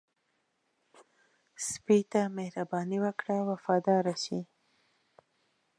سپي ته مهرباني وکړه، وفاداره شي.